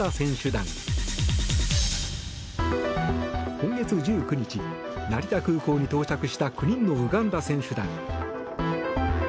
今月１９日成田空港に到着した９人のウガンダ選手団。